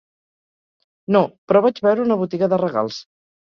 No, però vaig veure una botiga de regals.